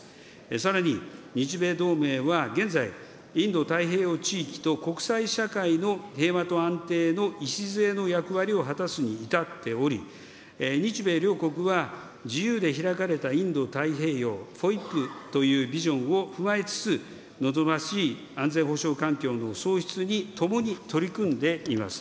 さらに、日米同盟は現在、インド太平洋地域と国際社会の平和と安定の礎の役割を果たすに至っており、日米両国は自由で開かれたインド太平洋ＦＯＩＰというビジョンを踏まえつつ、望ましい安全保障環境の創出に共に取り組んでいます。